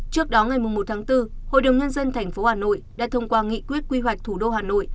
trước đó ngày một tháng bốn hội đồng nhân dân tp hà nội đã thông qua nghị quyết quy hoạch thủ đô hà nội